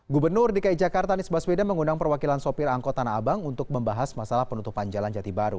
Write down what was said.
gubernur dki jakarta anies baswedan mengundang perwakilan sopir angkut tanah abang untuk membahas masalah penutupan jalan jati baru